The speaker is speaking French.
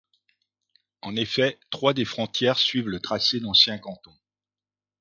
En effet, trois des frontières suivent le tracé d'anciens cantons.